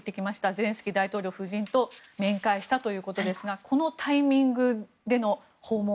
ゼレンスキー大統領夫人と面会したということですがこのタイミングでの訪問